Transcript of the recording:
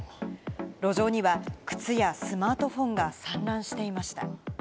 路上には靴やスマートフォンが散乱していました。